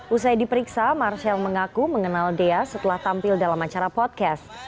usai diperiksa marcel mengaku mengenal dea setelah tampil dalam acara podcast